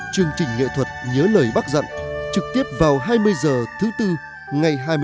chương trình nghệ thuật nhớ lời bác dặn trực tiếp vào hai mươi h thứ tư ngày hai mươi chín